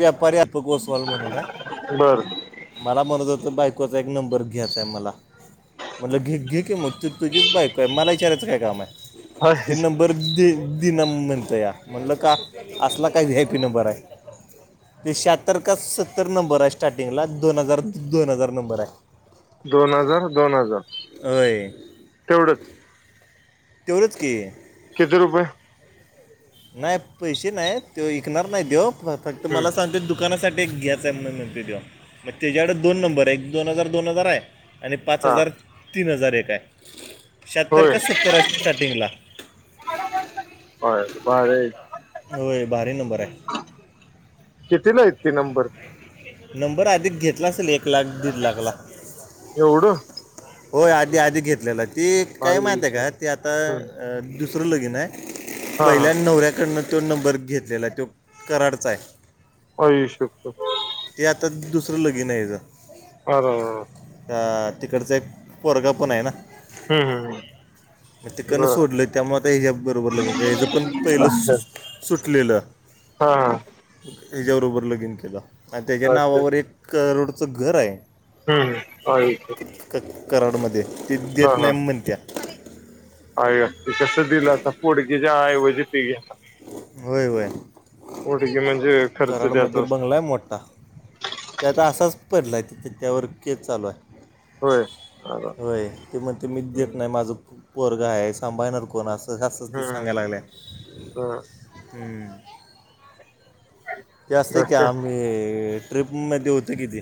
व्यापारी अप कोोसवाल म्हण ना बर मला म्हणत होतं बायकोचा एक नंबर घ्यायचा आहे मला मणल घे घे की मग त तुझीच बायको आहे मला इचारयचं काय काम आहे ते नंबर दि दिना म्हणत या म्हणलं का असला काही हॅपी नंबर आहे ते शहत्तर का सत्तर नंबर आहे स्टार्टिंगला दोन हजार दोन हजार नंबर आहे दोन हजार दोन हजार होय तेवढंच तरत की आहे किती रुपये नाही पैसे नाही त विकणार नाही देव फक्त हम्म मला सांगतेोु दुकानासाठी एक घ्यायचाय म्हून मती दे मग त्याच्याकडे दोन नंबर आहे एक दोन हजार दोन हजार आहे आणि पाच हा हजार तीन हजार एक आहे शहात्तर होय का सत्तरा स्टार्टिंगला ह होय भारी नंबर हाय कितीला हाईत ते नंबर? नंबर अधिक घेतला असेल एक लाख दीड लाख ला एवढं होय आधी- आधी घेतलेला ती काय माहती आयुष्य हाय का ते आता हा दुसरं लगीन हाय. हा पहिल्या नवऱ्याकडनं त्यो नंबर घेतलेला आहे, त्यो कराडचा हाय. हो येऊ शकतो ते आता दुसरं लगीन आहे हेज आरं तिकडचा एक पोरगा पण आहे ना हम्म हम तिकडनं सोडलंय त्यामुळे आता ह्याच्या बरोबर लगिन हेचं पण पहिलं सो सुटलेलं हा हीच्याबरोबर लगिन केलं आणि त्याच्या अच्छा नावावर एक करोडचं घर आहे हम्म हम्म. होय क कराडमध्ये ती देत नाही म्हणत्या. अय ते कसं दिलं आता? पोडगीच्या ऐवजी ती. व्हय व्हय, पोडगी म्हणजे खर्च द्यायचा कराडमध्ये असतो बंगलाय मोट्टा. त्यात असचं पडलंय, त्यावर केस चालू हाय. होय. अर होय, ती म्हणते, मी हम्म देत नाय. माझं पोरगं हाय. सांभाळणार कोण? असं त असंच ते सांगाया हम्म लागल्या, बर हम्म. [unintelligible] ते असंय की, बाकी आम्ही ट्रिपमध्ये होतं कि ती.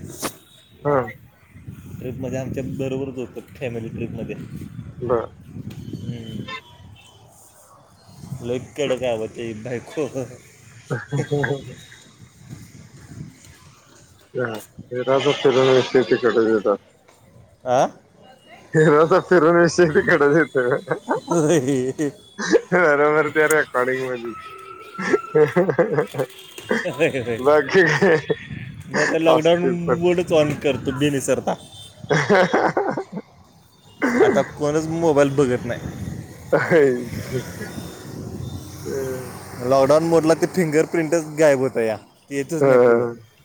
हं ट्रिपमध्ये आमच्या बरोबरच होत, फॅमिली ट्रिपमध्ये. बरं. हम्म. लय कडक हाय ओ तीची बायको. हां [unintelligible] आं. एकदाचा फिरुन ये शेगडी कड नयत. होय. बरोबर तर [unintelligible] मधी बाकी काय मी आता लॉकडाऊन असतील पटली मोडच ऑन करतो मी विसरता. [unintelligible] आता कोणंच मोबाईल बघत नाय. हम्म [unintelligible] लॉकडाऊन मोडला ते फिंगर प्रिंटच गायब होतंया. येतंच अ नाय पुढं,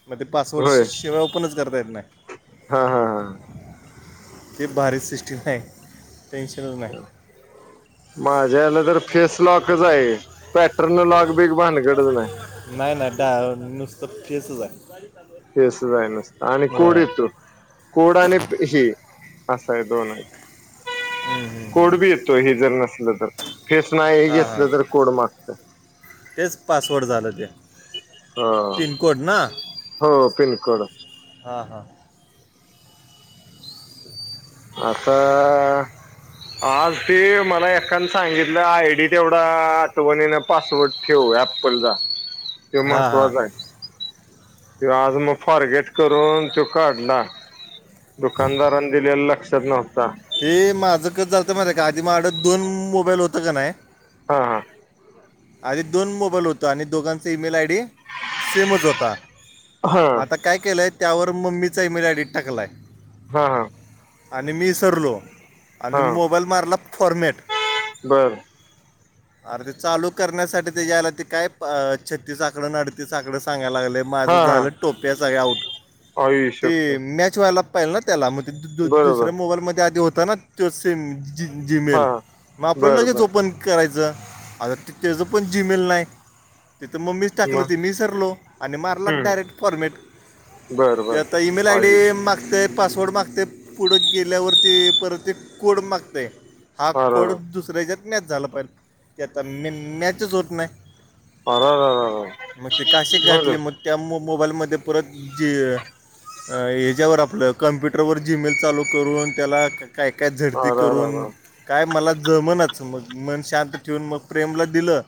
म ते पासवर्ड होय शी सेवा ओपणच करता येत नाय, हा हा हा हे भारी सिस्टिम हाय. टेन्शनच नाय. माझ्या याला फेस लॉकच हाय. पॅटर्न लॉक बीक भानगडच नाय. नाय नाय. त्या नुसत फेसच हाय. फेसच हाय नुसतं आणि कोड येतो, कोड आणि ते हे असं आहे दोन आहे. हम्म, हम्म. कोड बी येतोय, हे जर नसलं तर, फेस नाही हां येत हां तर, कोड मागतं. तेच पासवर्ड झालं ते. हा पिनकोड ना, हो पिनकोड हां हां. [unintelligible] आता आज ते मला एकानं सांगितलं, आयडी तेवढा, आठवनीन पासवर्ड ठेव ऍप्पलचा, ते हां हां महत्त्वाचं हाय. तो आज मग फॉरगेट करून तो काढला दुकानदारानं दिलेला लक्षात नव्हता ते माझं कसं झालतं माहितेय काय आधी माझ्याकडं दोन मोबाईल होतं का नाही ह. ह. आधी दोन मोबाईल होता. आणि दोघांच ईमेल आयडी सेमच होता, हा मग आता हा काय केलंय, त्यावर मम्मीच ईमेल आयडी टाकलाय. हां हां आणि मी इसरलो. आणि मोबाईल मारला फॉरमॅट. बरं. अरं ते चालू करण्यासाठी तेच्या आयला ते काय, प छत्तीस आकडा आणि अडतीस आकडा सांगाय लागलेत. माझं हा झालं टोप्या सगळ्या आऊट. हा येऊ ते शकतो मॅच व्हायला पहिला त्याला, मग ते दु दु दु बरोबर दुसऱ्या मोबाईलमध्ये आधी होता ना, त्यो सेम जी हा जीमेल, मग आपल्याला बर हेच बर ओपन करायचं. आता ते त्याचं पण जीमेल नाय. तिथं मम्मीच टाकलं मग ते मी इसरलो. आणि मारला हम्म डायरेक्ट फॉरमॅट. बर ते बर आता ई मेल आय डी आई मागतंय पासवर्ड मागतंय पुढं गेल्यावरती परत ते कोड मागतय हा अर कोड अर दुसऱ्याच्यात मॅच झाला पाहिजे त्या आता मॅचच होत नाही अर अर मग ते काशी घातली मग त्या मोबाईल मध्ये परत जे अ ह्याच्यावर आपलं कम्प्युटरवर जी मेल चालू करून त्याला काय काय झडती अर अर करून अर काय मला जमनाच मग मन शांत ठेवून मग प्रेमला दिलं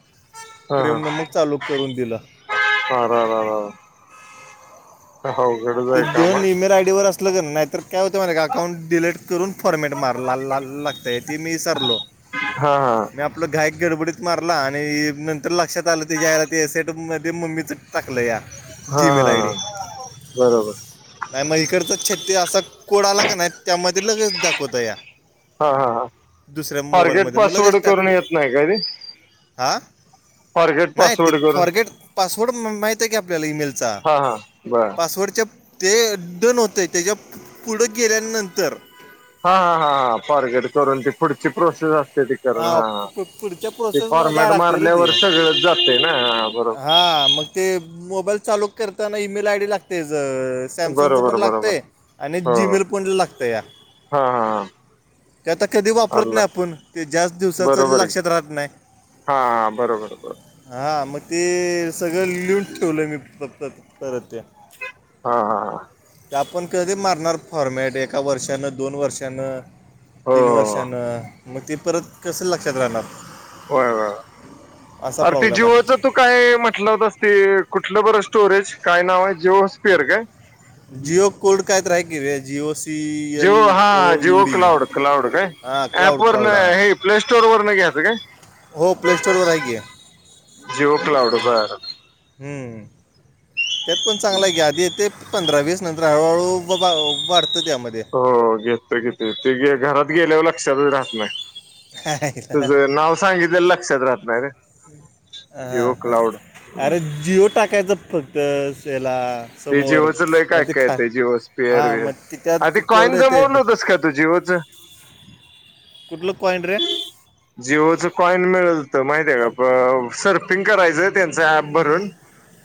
प्रेमनं मग चालू करून दिलं आ रा रा अवघड ते दोन ई मेल आय डीवर असलं का नाही तर काय होतं माहिते काय अकाउंट डिलीट करून फॉर्मेट मारायला ला ला लागतय ते मी ईसारलो हा मी हा आपलं घाईक गडबडीत मारला आणि नंतर लक्षात आलं [unintelligible] ते सेटिंग मध्ये मम्मीचं टाकलया हा जी मेल आयडी हा बरोबर नाही म इकडचा छत्ती असा कोड आला का नाही त्यामध्ये लगेच दाखवतया फॉरगेट पासवर्ड करून येत नाही का ते? आं? फॉरगेट नाही ते पासवर्ड करून फॉरगेट पासवर्ड माहित आहे की आपल्याला ईमेलचा हा हा बर पासवर्डच्या ते डन होते त्याच्या पुढं गेल्यानंतर हा हा हा फॉरगेट करून ते पुढची प्रोसेस असते करण हा पु- पु- पुढच्या ते प्रोसेसमध्ये द्यावं फॉरमॅट लागते रे ते मारल्यावर सगळच जातंय ना हा बरोबर हा मग ते मोबाईल चालू करताना ई मेल आय डी लागते ज सॅमसंगचं पण बरोबर बरोबर लागतय आणि हो जि हो मेल पण लागतया हा हा हा ते आता कधी वापरत आलं नाही आपण ते जास्त दिवसाचं बरोबर आहे लक्षात राहत नाही हा हा बरोबर बरोबर हा मग ते सगळं लिहून ठेवलं मी फक्त परत ते हा हा आपण कधी मारणार फॉरमॅट एका वर्षानं दोन वर्षानं तीन हो वर्षानं मग ते परत कसं लक्षात राहणार होय होय असा आरं ते प्रॉब्लेम आहे जीओचं तू काय म्हटलं हुतंस ते कुठलं बरं स्टोरेज काय नाव आहे जिओ स्पिअर काय? जिओ कोड काही तर हाय की र जिओस जिओ हा जिओ क्लाउड क्लाउड काय हां ऍप क्लाउड वरण क्लाउड हां हे प्ले स्टोअर वरन घ्याचं काय. हो प्लेस्टोअर वर हाय की. जिओ क्लाउड बर. हम् त्यात पण चांगल हाय की आधी येतय पंधरा वीस नंतर हळूहळू ववा वाढतं त्यामध्ये. हो घेतो की ती, ते घरात गेल्यावर लक्षातच राहत नाही. हां, तुझं नाव सांगितल्याल लक्षात राहतणाही र. हा हा अरे जिओ टाकायचां फक्त स याला, ते समोर जिओचं लय काय मग ते काय ख जिओ हा स्पेअर मग ते त्यात आ क कोरड कॉईन येतय. जमवलं होतंस का तू जिओचं कुठल कॉइन र, जिओच कॉइन मिळलत माहिती हाय का सर्पिंग करायचंय त्यांचं ऍप भरून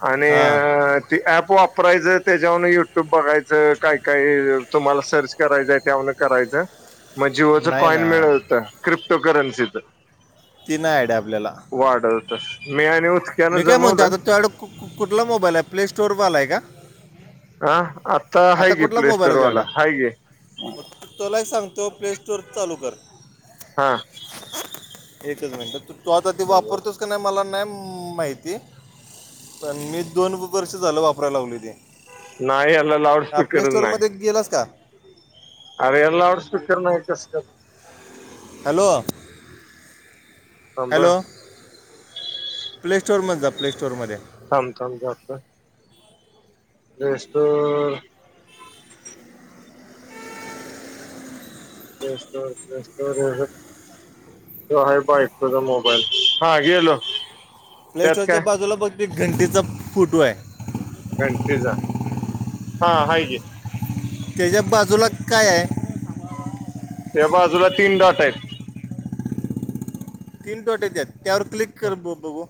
आणि हां अ ती अँप वाप वापरायचं त्याच्यावरन युट्यूब बघायचं काय काय तुम्हाला सर्च करायचंय त्यावरन करायचं. मग जिओच नाही ना कॉइन मिळत होत क्रिप्टो करन्सीच. ती नाही आयडीया आपल्याला, वाढवत हुत मी आणि ऊत मी काय म्हणतो आता तड कुठला मोबाईल आहे प्ले स्टोरवरलाय का. हा आता हाय् कि प्ले स्टोरवाला हाय कि. तुलाही एक सांगतो प्ले स्टोअर चालू कर. हा एकच मिनट तू आता ते वापरतोस का नाही मला नाही म माहिती पण मी दोन वर्ष झालं वापरायला लगलोय ते. नाही याला ह प्ले लाऊडस्पीकरच स्टोर नाही मध्ये गेलास का. अरे ह्यला लाऊड स्पीकर नाही कस काय. हॅलो थांब हॅलो प्ले स्टोअर मधे जा प्ले स्टोअर मध्ये. थांब थांब जातो. Play store? Play store play store अहं - त्यो हाय बायकोचा मोबाईल हा गेलो. त्यात प्लेस्टोर काय च्या बाजूला बघत ते घंटीचा फोटो आहे. घंटीचा, हा हाय कि. त्याच्या बाजूला काय हाय. त्या बाजूला तीन डॉट आहेत. तीन डॉट येत्यात त्यावर क्लिक कर मग बघू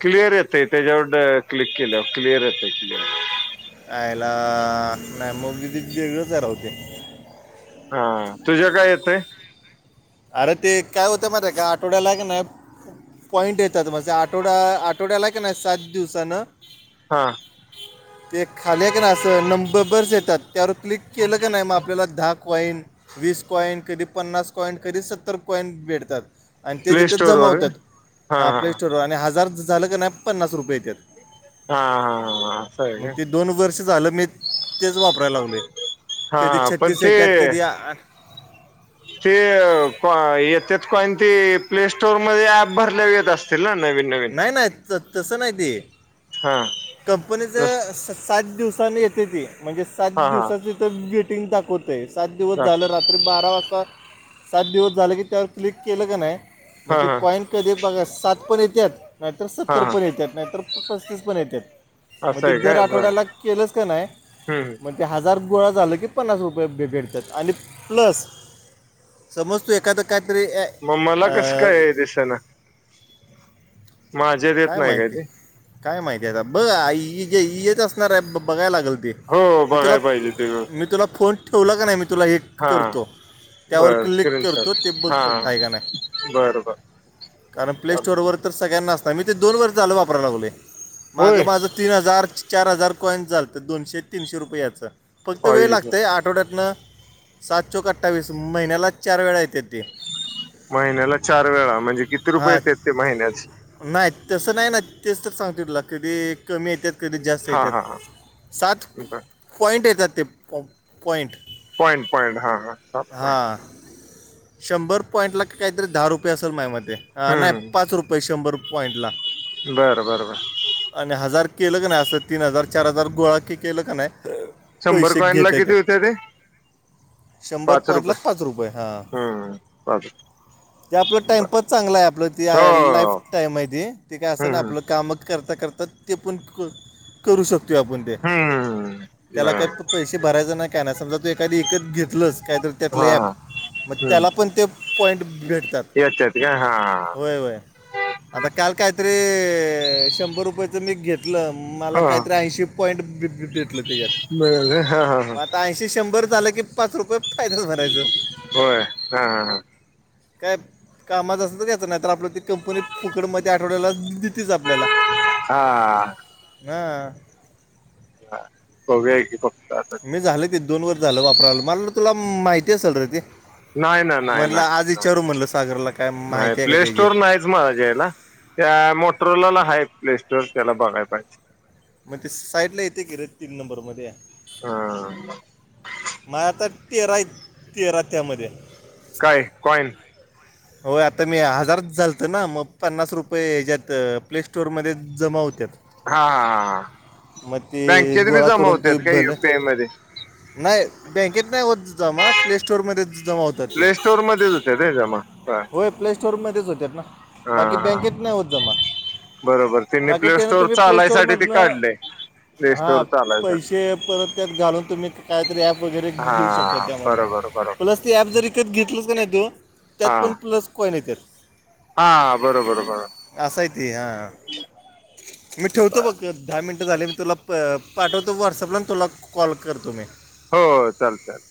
क्लिअर येतय त्याच्यावर क्लिक केल्या वर क्लिअर येते क्लिअर, आयला नाही मग कती वेगळंच हाय राव ते. हा तुझ्या काय येतय. अरे ते काय होते माहीते का आठवड्याला का नाही. पॉइंट येतात माझे आठवड्या आठवड्याला की नाही सात दिवसान. हा ते खाली हाय क नई आस नंबर बरच येतात त्यावर क्लिक केलं का नाही म आप आपल्याला दहा कॉईन, वीस कॉईन कधी पन्नास कॉईन कधी सत्तर कॉईन भेटत्यात. आणि ते प्ले तिथें स्टोर जमा वर होतात हा हां हा प्ले स्टोरवर आणि हजार झालं का नाही पन्नास रुपये येत्यात. हा हा ह अस हाय काय् मग ते दोन वर्ष झालं मी तेच वापराय लागलोय हा कधी हा पण छत्तीस येतत ते कधी आ ते कोय येत्यात कॉइन ते प्ले स्टोरमध्ये अऍप भरल्यावर येत असतील ना नवीन नवीन नाही नाही तसं नाही ते हा कंपनीच नस सस सात दिवसानी येते ते, म्हणजे सात हा दिवसाच इथ वेटिंग दाखवतय सात दिवस हा झालं रात तरी बारा वाजता सात दिवस झाले की त्यावर क्लिक केलं का नाही. मग हा ते हा कॉइन कधी बघा सात पण येतात नाहीतर हा सत्तर हा पण येतात नाहीतर पस्तीस पण येतात. मग असं ते आहे दर काय बर आठवड्याला केलंस का नाही. हम्म म्हण ते हजार गोळा झाला की पन्नास रुपये भेटतात आणि प्लस समज तू एखादं काहीतरी अ अ दिस ना येत काय नाही माहिती ते? काय माहिती आहे आता बघ आ येत असणार आहे बघायला लागेल ते. हो मी तुला बघाय पाहिजे ते व्यवस्थित. मी तुला फोन ठेवला का नाही मी तुला एक हा करतो, त्यावर बर क्लिक करतो, ते स्क्रीनशॉट बघ हा फक्त हाय क नाही. बरं बर कारण प्ले चाल स्टोरवर तर सगळ्यांना असणार. मी ते दोन वर्ष चालं वापराय लागकलोय मागं होय माझं तीन हजार चार हजार कॉईन्स झाल तर दोनशे तीनशे रुपयाच. फक्त वेळ पाहिजे सर. लागतय आठवड्यातनं सात चोक् अठ्ठावीस महिन्यालाच चार वेळा येत्यात् ते. महिन्याला चार वेळा म्हणजे किती रुपये हां येत्यात् ते महिन्याच? नाही तसं नाही ना तेच तर सांगते तुला कधी कमी येत्यात. कधी जास्त हा हा हा येतात सात बर पॉईंट येतात ते प पॉइन्ट पॉईंट पॉईंट हा हा सात पॉईंट हा. शंभर पॉईंट ला काहीतरी दहा रुपये असेल माज्या मते नाही पाच रुपये शंभर. पॉईंटला बर बरं बर‌. आणि हजार केलं का नाही, असं तीन हजार चार हजार गोळा के केलं का नाही शंभर पैसे कॉईनला घेता किती येतात. होते ते? शंभर पॉइंटला पाच रुपये हां. हम्म पाच ते आपलं रुपये बर टाइमपास चांगलं आहे आपलं ते हो लाईफ हो टाईम. माहित ते काय असं ना हम्म आपलं काम करता करता ते पण करू शकतो आपण. हम्म हम्म त्याला बर काही पैसे भरायच नाही काय ना समजा ते एखादी विकत घेत तितलंच काहीतरी त्यातलं हा ॲप हा मग त्याला पण ते पॉईंट भेटतात. ते असत्यात का हा हा. व्हय व्हय व्हय. आता काल काहीतरी शंभर रुपयेचं मी घेतलं मला हा काहीतरी ऐंशी पॉईंट भे भे- भेटलं येण्यात. म हा हा हा. आता ऐशीे शंभर झालं कि पाच रुपये फायदाच भरायचा. होय हा हा काय कामाच असं तर यायचं नाही तर आपलं ती कंपनी फुकट मदे आठवड्याला देतेच आपल्याला. हा. हा. हा बघुया की. आता मी झालं ते दोन वर्ष झालं वापराला मला तुला माहिती असेल रे ते. नाही ना नाही. म्हणलं आज नाही विचारू म्हणलं सागरला. काय नाही माहिती आहे का प्ले स्टोर त्याची नाही माझ्या हेला त्या मोट्रोला ल हाय प्ले स्टोअर त्याला बघाय पाहिजे. मग ते साईडला येते कि रे तीन नंबरमध्ये. हा. मग आता तेरा आहित तेरा त्यामध्ये. काय कॉईन. होय आता मी हजारच झालतं ना मग पन्नास रुपये हेच्यात प्ले स्टोअरमध्ये जमा होत्यात. हा हा हा मग ते बँकेत बी गोळा जमा करून तू होत्यात काय भल युपीआय मध्ये नाही बँकेत नाही होत जमा प्ले-स्टोरमध्येच जमा होत प्ले स्टोर मध्येच होत्यात होय जमा. बर होय प्ले स्टोरमध्येच होत्यात ना बाकी हा बँकेत नाही होत जमा. बरोबर त्यांनी बाकी प्ले त्यानं स्टोर तुम्ही प्ले स्टोर चालायसाठी ते काढले मधनं प्ले हा स्टोर चालायसाठी पैसे परत त्यात घालून तुम्ही काहीतरी ॲप वगैरे घेऊ शकता हा त्यामधन. बरोबर बरोबर प्लस ते ॲप जर विकत घेतलंस कनी तु हा त्यात पण प्लस कॉइन येत्यात. हा बरोबर बरोबर. अस हाय ते हां. मी ठेवतो बघ दहा मिनटं झाले मी तुला प पाठवतो व्हॉट्सअपला ना तुला कॉल करतो मी. हो चालतंय